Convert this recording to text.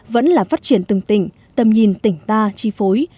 vẫn là phát triển từng tỉnh tầm nhìn tỉnh ta chi phối